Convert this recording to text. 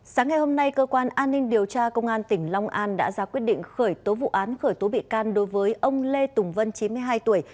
sáng ngày hôm nay cơ quan an ninh điều tra công an tỉnh long an đã ra quyết định khởi tố vụ án khởi tố bị can đối với ông lê tùng vân chín mươi hai tuổi